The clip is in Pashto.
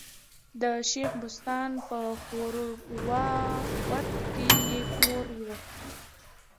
د شېخ بستان په ښوراوک کي ئې کور ؤ.